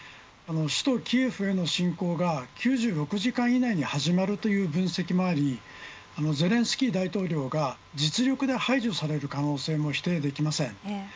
首都キエフへの侵攻が９６時間以内に始まるという分析もありゼレンスキー大統領が実力で排除される可能性も否定できません。